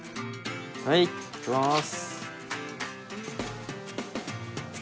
はい！いきます。